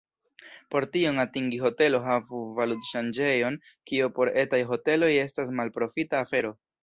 Por tion atingi hotelo havu valutŝanĝejon, kio por etaj hoteloj estas malprofita afero.